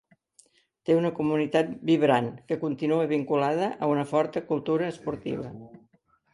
Té una comunitat vibrant, que continua vinculada a una forta cultura esportiva.